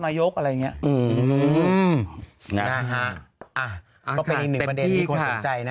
อะไรอย่างเงี้ยอืมนะฮะอ่ะก็เป็นอีกหนึ่งประเด็นที่คนสนใจนะ